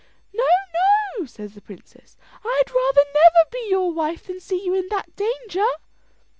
"No, no," says the princess; "I'd rather never be your wife than see you in that danger."